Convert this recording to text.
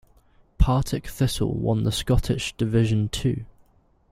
Partick Thistle won the Scottish Division Two.